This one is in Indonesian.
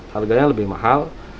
harganya lebih mahal